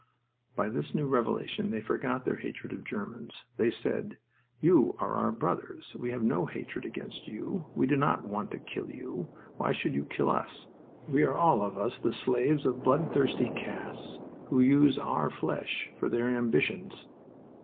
By this new revelation they forgot their hatred of Germans. They said: "You are our brothers; we have no hatred against you. We do not want to kill you. Why should you kill us? We are all of us the slaves of bloodthirsty castes, who use our flesh for their ambitions.